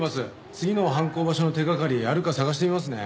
次の犯行場所の手掛かりあるか捜してみますね。